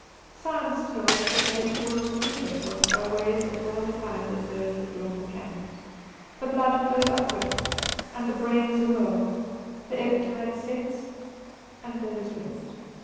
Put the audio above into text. Science tells that Nature will recoup herself by ways as well defined as those that rule mechanics. The blood flows upward and the brain's awhirl; the ebb tide sets and there is rest.